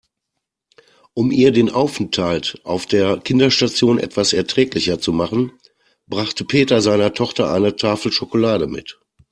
Um ihr den Aufenthalt auf der Kinderstation etwas erträglicher zu machen, brachte Peter seiner Tochter eine Tafel Schokolade mit.